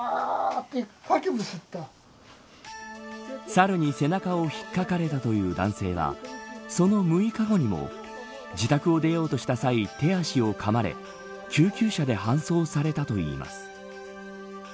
サルに背中を引っ掛かれたという男性はその６日後にも自宅を出ようとした際手足をかまれ、救急車で搬送されたといいます。